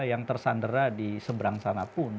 yang tersandera di seberang sana pun